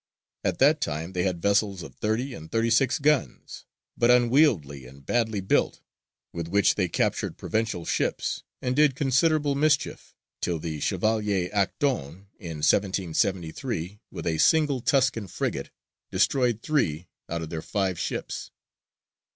At that time they had vessels of thirty and thirty six guns, but unwieldy and badly built, with which they captured Provençal ships and did considerable mischief, till the Chevalier Acton in 1773, with a single Tuscan frigate, destroyed three out of their five ships.